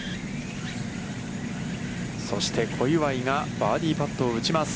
そして、小祝がバーディーパットを打ちます。